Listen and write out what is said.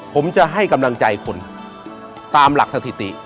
ผมจะให้กำลังใจคนตามหลักสถิติ